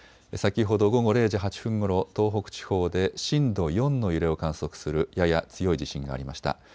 先ほど午後０時８分ごろ、東北地方で震度４の揺れを観測するやや強い地震がありました。